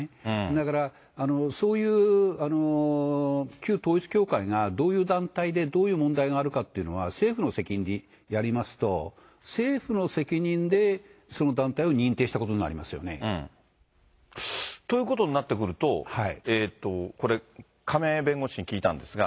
だからそういう旧統一教会がどういう団体で、どういう問題があるかっていうのは、政府の責任でやりますと、政府の責任で、その団体を認定したことになりますよね。ということになってくると、これ、亀井弁護士に聞いたんですが。